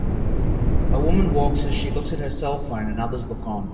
A woman walks as she looks at her cellphone and others look on.